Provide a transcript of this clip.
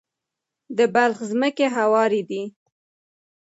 د بلخ ځمکې هوارې دي